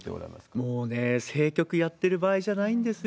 もうね、政局やってる場合じゃないんですよ。